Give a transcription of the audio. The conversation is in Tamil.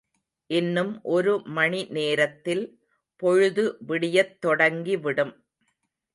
இன்னும் ஒரு மணி நேரத்தில் பொழுது விடியத் தொடங்கி விடும்!